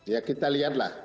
ya kita lihat lah